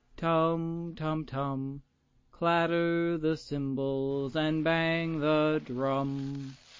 Tum, tum tum! Clatter the cymbals and bang the drum!